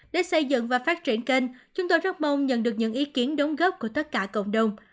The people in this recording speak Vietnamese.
để xây dựng và phát triển kênh chúng tôi rất mong nhận được những ý kiến đóng góp của tất cả cộng đồng